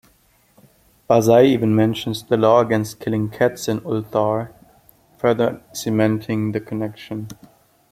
Barzai even mentions the law against killing cats in Ulthar, further cementing the connection.